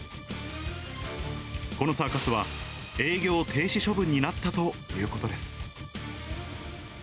このサーカスは営業停止処分になったということです。